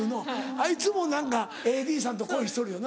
あいつも何かＡＤさんと恋しとるよな。